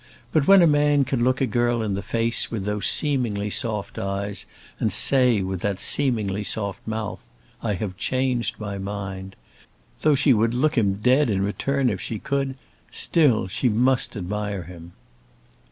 But when a man can look a girl in the face with those seemingly soft eyes, and say with that seemingly soft mouth, 'I have changed my mind,' though she would look him dead in return if she could, still she must admire him."